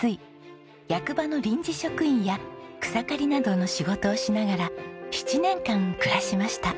役場の臨時職員や草刈りなどの仕事をしながら７年間暮らしました。